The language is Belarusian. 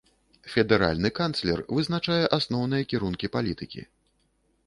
Федэральны канцлер вызначае асноўныя кірункі палітыкі.